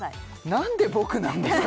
何で僕なんですか？